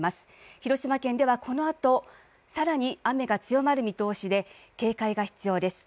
広島県ではこのあとさらに雨が強まる見通しで警戒が必要です。